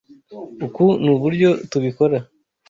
Uku nuburyo tubikora.